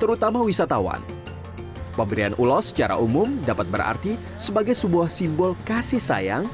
terutama wisatawan pemberian ulos secara umum dapat berarti sebagai sebuah simbol kasih sayang